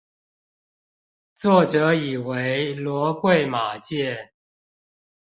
作者以為騾貴馬賤